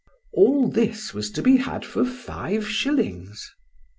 All this was to be had for five shillings.